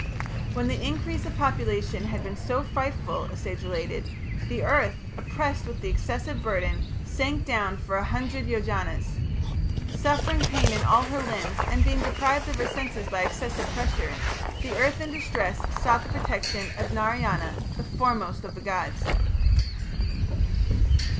"When the increase of population had been so frightful," a sage related, "the Earth, oppressed with the excessive burden, sank down for a hundred Yojanas. Suffering pain in all her limbs, and being deprived of her senses by excessive pressure, the Earth in distress sought the protection of Narayana, the foremost of the gods."